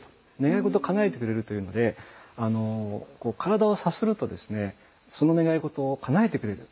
願い事をかなえてくれるというのでこう体をさするとですねその願い事をかなえてくれる。